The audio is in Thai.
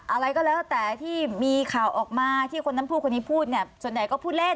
อะไรก็แล้วแต่ที่มีข่าวออกมาที่คนนั้นพูดคนนี้พูดเนี่ยส่วนใหญ่ก็พูดเล่น